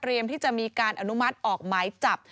ที่จะมีการอนุมัติออกหมายจับ